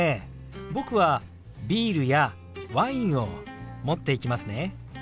僕はビールやワインを持っていきますね。